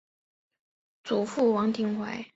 祖父王庭槐。